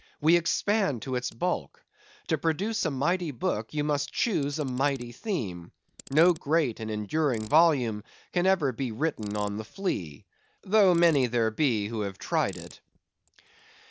We expand to its bulk. To produce a mighty book, you must choose a mighty theme. No great and enduring volume can ever be written on the flea, though many there be who have tried it.